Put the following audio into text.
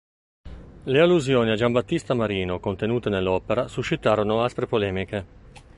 Le allusioni a Giambattista Marino contenute nell'opera suscitarono aspre polemiche.